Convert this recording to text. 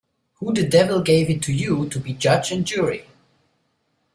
Who the devil gave it to you to be judge and jury.